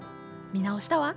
見直したわ。